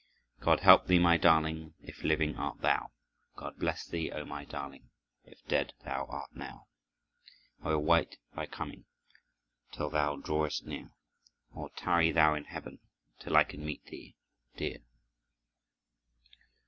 "God help thee, my darling, If living art thou; God bless thee, O my darling, If dead thou art now. I will wait thy coming Till thou drawest near; Or tarry thou in heaven, Till I can meet thee, dear."